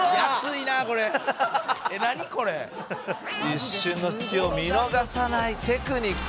「一瞬の隙を見逃さないテクニックねこれ」